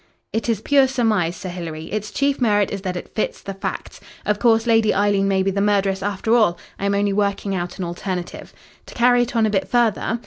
"It is pure surmise, Sir Hilary. Its chief merit is that it fits the facts. Of course, Lady Eileen may be the murderess after all. I am only working out an alternative. To carry it on a bit further.